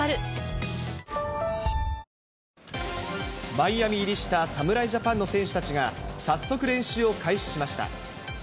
マイアミ入りした侍ジャパンの選手たちが、早速、練習を開始しました。